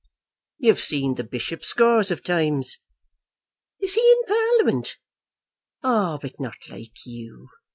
"You've seen the bishop scores of times." "Is he in Parliament? Ah, but not like you.